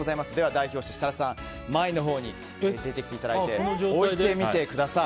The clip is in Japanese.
代表して設楽さん前のほうに出てきていただいて置いてみてください。